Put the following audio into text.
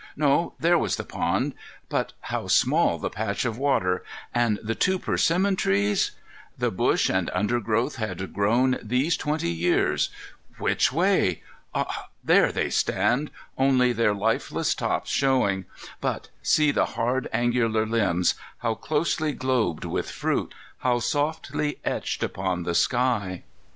No, there was the pond,—but how small the patch of water! and the two persimmon trees? The bush and undergrowth had grown these twenty years. Which way? Ah, there they stand, only their leafless tops showing; but see the hard angular limbs, how closely globed with fruit! how softly etched upon the sky!